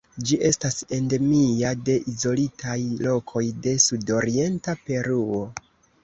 Ĝi estas endemia de izolitaj lokoj de sudorienta Peruo.